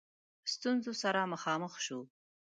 ستونزو سره مخامخ شو.